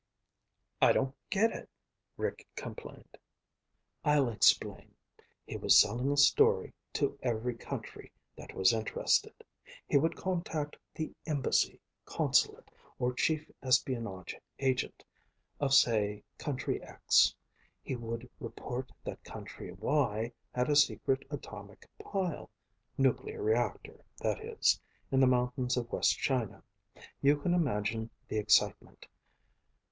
"I don't get it," Rick complained. "I'll explain. He was selling a story to every country that was interested. He would contact the embassy, consulate, or chief espionage agent of, say, country X. He would report that country Y had a secret atomic pile nuclear reactor, that is in the mountains of West China. You can imagine the excitement.